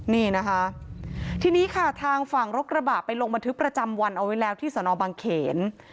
นี่นะคะทีนี้ค่ะทางฝั่งรถกระบะไปลงบันทึกประจำวันเอาไว้แล้วที่สนบังเขน